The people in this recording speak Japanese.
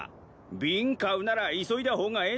ビン買うなら急いだ方がええぞ。